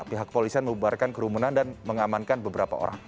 pihak polisian membubarkan kerumunan dan mengamankan beberapa orang